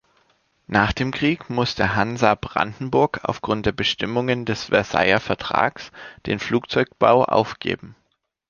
Nach dem Krieg musste Hansa-Brandenburg aufgrund der Bestimmungen des Versailler Vertrags den Flugzeugbau aufgeben.